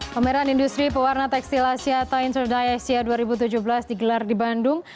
pameran industri pewarna tekstil asia atau interdie asia dua ribu tujuh belas digelar di bandung